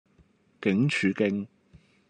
警署徑